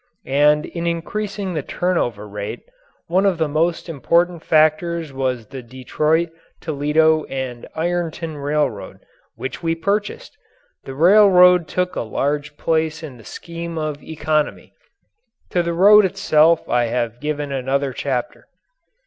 And in increasing the turnover rate, one of the most important factors was the Detroit, Toledo, & Ironton Railroad which we purchased. The railroad took a large place in the scheme of economy. To the road itself I have given another chapter.